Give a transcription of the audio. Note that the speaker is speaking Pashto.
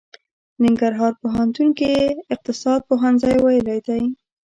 ننګرهار پوهنتون کې يې اقتصاد پوهنځی ويلی دی.